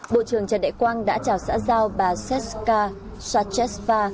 bộ trưởng trần đại quang đã chào xã giao bà seska sechesva